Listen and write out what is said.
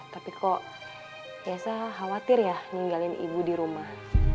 tapi kok biasa khawatir ya ninggalin ibu di rumah